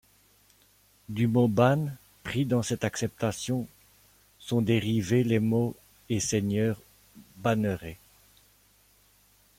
Du mot ban pris dans cette acception sont dérivés les mots et seigneur banneret.